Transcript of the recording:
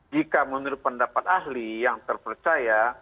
jika menurut pendapat ahli yang terpercaya